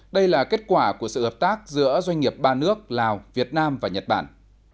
đây là kết quả của sự hợp tác giữa doanh nghiệp ba nước lào việt nam và nhật bản